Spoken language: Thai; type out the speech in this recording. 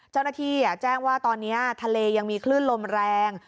เจ้าหน้าที่แจ้งว่าตอนนี้ทะเลยังมีคลื่นลมแรง